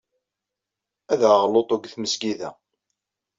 Ad aɣeɣ luṭu deg tmezgida.